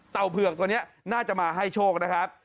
เผือกตัวนี้น่าจะมาให้โชคนะครับ